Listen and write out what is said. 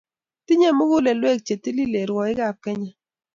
tinyei mugulelwek che tililen rwoikab Kenya